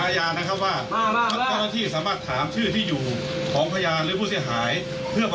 เขาก่อนก็ได้เรายังไม่สะดวกตอนนี้เขายังไม่พร้อมเลย